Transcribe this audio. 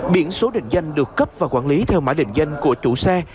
biển số định danh được cấp và quản lý theo mã định danh của chủ xe